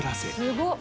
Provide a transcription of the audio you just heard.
すごっ！